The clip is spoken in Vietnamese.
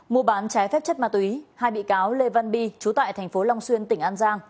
mua bán trái phép chất ma túy hai bị cáo lê văn bi chú tại thành phố long xuyên tỉnh an giang